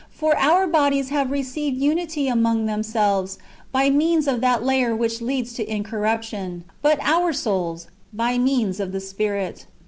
For our bodies have received unity among themselves by means of that laver which leads to incorruption ; but our souls, by means of the Spirit.